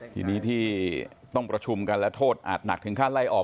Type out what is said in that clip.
ทีนี้ที่ต้องประชุมกันและโทษอาจหนักถึงขั้นไล่ออก